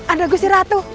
ada gusti ratu